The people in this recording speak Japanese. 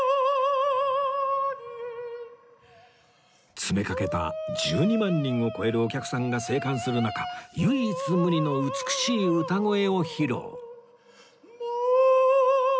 詰めかけた１２万人を超えるお客さんが静観する中唯一無二の美しい歌声を披露